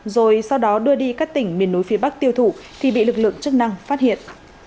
rồi sau đó đưa đi các tỉnh miền núi phía bắc tiêu thụ thì bị lực lượng chức năng phát hiện